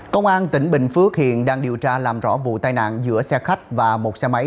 công an tỉnh bình phước hiện đang điều tra làm rõ vụ tai nạn giữa xe khách và một xe máy